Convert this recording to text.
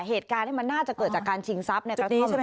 เหตุการณ์ที่มันน่าจะเกิดจากการชิงทรัพย์ในกระท่อมใช่ไหม